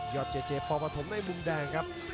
ยอดเจเจพอประถมในมุมแดงครับ